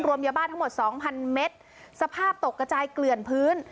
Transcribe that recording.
ยาบ้าทั้งหมดสองพันเมตรสภาพตกกระจายเกลื่อนพื้น